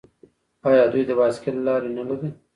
آیا دوی د بایسکل لارې نلري؟